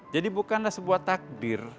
jadi bukanlah sebuah takdir